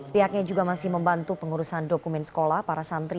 pihaknya juga masih membantu pengurusan dokumen sekolah para santri